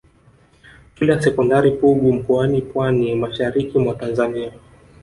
Shule ya sekondari Pugu mkoani Pwani mashariki mwa Tanzania